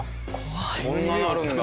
こんななるんだ。